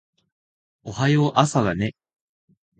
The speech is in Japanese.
おはよう朝だね